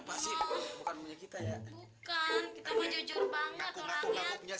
bukan kita mah jujur banget orangnya